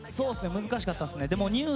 難しかったです。